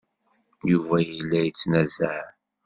Yuba yella yettnazaɛ.